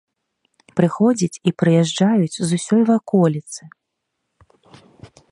Прыходзяць і прыязджаюць з усёй ваколіцы.